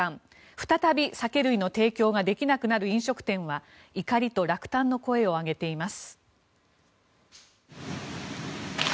再び酒類の提供ができなくなる飲食店は怒りと落胆の声を上げています。